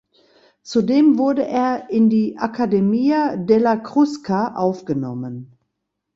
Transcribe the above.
Zudem wurde er in die Accademia della Crusca aufgenommen.